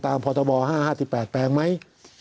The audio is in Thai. ตามพศ๕๕๘แปลงไหม